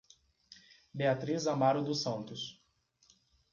Beatriz Amaro dos Santos